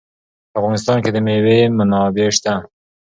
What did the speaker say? په افغانستان کې د مېوې منابع شته.